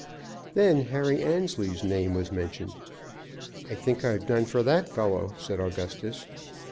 Then Harry Annesley's name was mentioned. "I think I've done for that fellow," said Augustus.